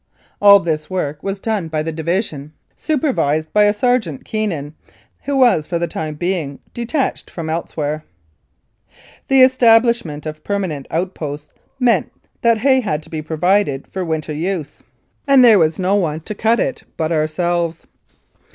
All this work was done by the division, supervised by a Sergeant Keenan, who was for the time being detached from elsewhere. The establishment of permanent outposts meant that hay had to be provided for winter use, and there was E 5; Mounted Police Life in Canada uo one to cut it but ourselves.